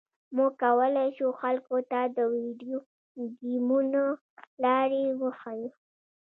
موږ کولی شو خلکو ته د ویډیو ګیمونو لارې وښیو